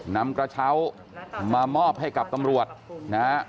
นำกระเช้ามามอบให้กับตำรวจนะฮะ